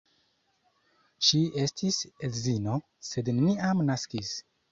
Ŝi estis edzino, sed neniam naskis.